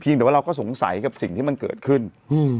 แต่ว่าเราก็สงสัยกับสิ่งที่มันเกิดขึ้นอืม